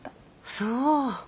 そう。